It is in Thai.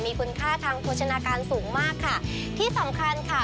มีคุณค่าทางโภชนาการสูงมากค่ะที่สำคัญค่ะ